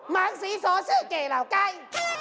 มังศรีโสซื้อเก๋เหล่าใกล้